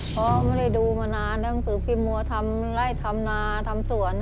เพราะไม่ได้ดูมานานเรื่องคือพี่มัวทำไร่ทำนาทำสวน